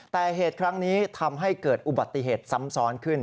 แต่เหตุครั้งนี้ทำให้เกิดอุบัติเหตุซ้ำซ้อนขึ้น